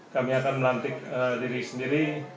kami akan melantik diri sendiri